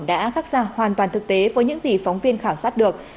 đã khắc ra hoàn toàn thực tế với những gì phóng viên khảo sát được